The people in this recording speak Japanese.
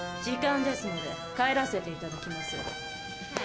時間ですので帰らせていただきます。